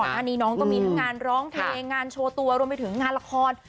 หน้านี้น้องก็มีทั้งงานร้องเพลงงานโชว์ตัวรวมไปถึงงานละคร